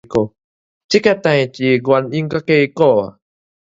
這件代誌的原因佮結果